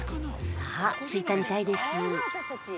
さあ着いたみたいです